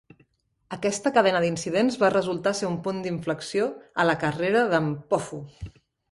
Aquesta cadena d'incidents va resultar ser un punt d'inflexió a la carrera de Mpofu.